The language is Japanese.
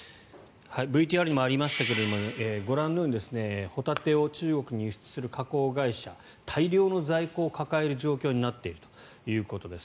ＶＴＲにもありましたがご覧のようにホタテを中国に輸出する加工会社大量の在庫を抱える状況になっているということです。